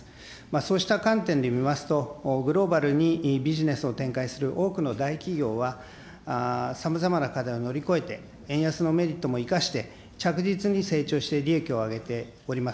そうした観点で見ますと、グローバルにビジネスを展開する多くの大企業は、さまざまな課題を乗り越えて、円安のメリットも生かして、着実に成長して、利益を上げております。